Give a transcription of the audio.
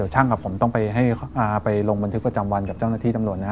ช่างกับผมต้องไปลงบันทึกประจำวันกับเจ้าหน้าที่ตำรวจนะฮะ